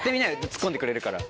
ツッコんでくれるから。